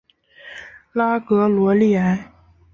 拉格罗利埃。